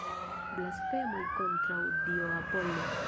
Blasfemoj kontraŭ dio Apollo!